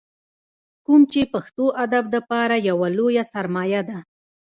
کوم چې پښتو ادب دپاره يوه لويه سرمايه ده ۔